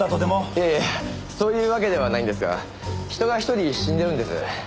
いやいやそういうわけではないんですが人が１人死んでるんです。